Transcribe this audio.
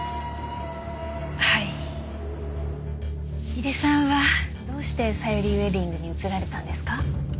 井出さんはどうしてさゆりウェディングに移られたんですか？